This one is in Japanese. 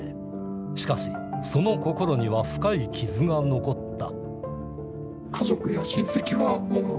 しかしその心には深い傷が残った。